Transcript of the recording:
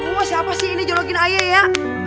wah siapa sih ini jolokin ayah ya